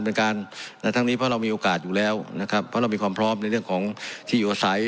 ในการในทั้งนี้เพราะเรามีโอกาสอยู่แล้วนะครับเพราะเรามีความพร้อมในเรื่องของที่อยู่อาศัย